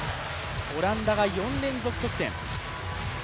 オランダが４連続得点。